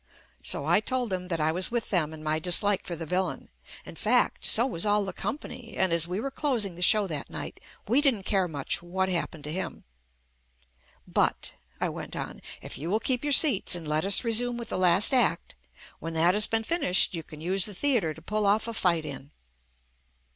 So I told them that I was with them in my dislike for the vil lain, — in fact, so was all the company, and as we were closing the show that night we didn't care much what happened to him. But — I went on — if you will keep your seats and let us resume with the last act, when that has been JUST ME finished you can use the theatre to pull off a fight in.